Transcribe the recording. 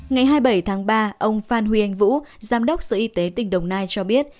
ngày hai mươi bảy tháng ba ông phan huy anh vũ giám đốc sở y tế tỉnh đồng nai cho biết